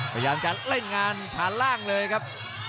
พยายามจะเล่นงานฐานล่างเลยครับ